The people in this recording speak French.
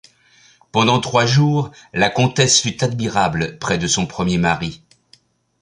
Pendant trois jours la comtesse fut admirable près de son premier mari.